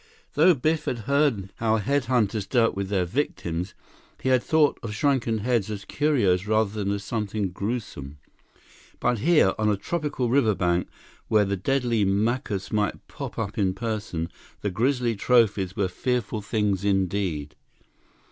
Though Biff had heard how head hunters dealt with their victims, he had thought of shrunken heads as curios rather than as something gruesome. But here, on a tropical riverbank, where the deadly Macus might pop up in person, the grisly trophies were fearful things indeed.